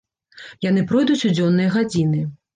Яны пройдуць у дзённыя гадзіны.